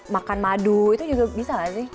makan madu itu juga bisa nggak sih